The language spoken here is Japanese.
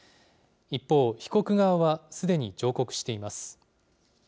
一方、被告側はすでに上告しています。